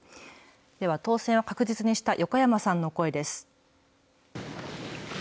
では、当選を確実にした横山さんの声です。